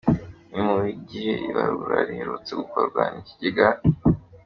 Ni mu gihe ibarura riherutse gukorwa n’Ikigega.